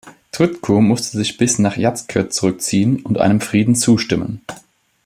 Tvrtko musste sich bis nach Jajce zurückziehen und einem Frieden zustimmen.